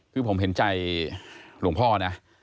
คือผมเห็นใจหลวงพ่อนะ